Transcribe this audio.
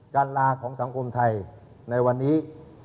การลาของสังคมไทยในวันนี้